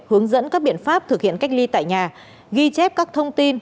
hướng dẫn các biện pháp thực hiện cách ly tại nhà ghi chép các thông tin